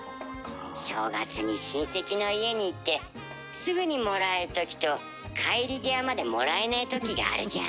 正月に親戚の家に行ってすぐにもらえるときと帰り際までもらえねえときがあるじゃん。